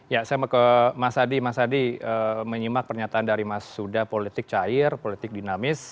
ya saya mau ke mas adi mas adi menyimak pernyataan dari mas huda politik cair politik dinamis